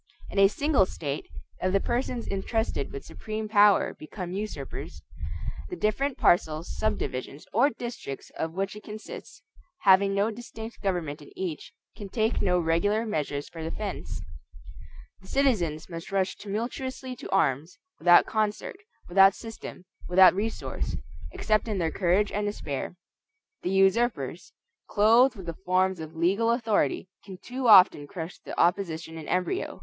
In a single state, if the persons intrusted with supreme power become usurpers, the different parcels, subdivisions, or districts of which it consists, having no distinct government in each, can take no regular measures for defense. The citizens must rush tumultuously to arms, without concert, without system, without resource; except in their courage and despair. The usurpers, clothed with the forms of legal authority, can too often crush the opposition in embryo.